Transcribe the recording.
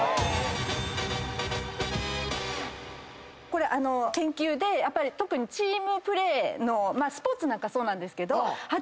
これ研究で特にチームプレーのスポーツなんかそうなんですけど。